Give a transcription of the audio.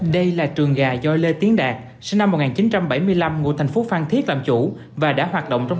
đây là trường gà do lê tiến đạt sinh năm một nghìn chín trăm bảy mươi năm ngụ thành phố phan thiết làm chủ và đã hoạt động trong